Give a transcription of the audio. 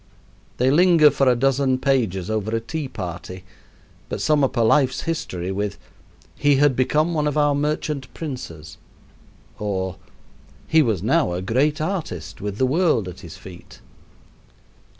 They linger for a dozen pages over a tea party, but sum up a life's history with "he had become one of our merchant princes," or "he was now a great artist, with the world at his feet."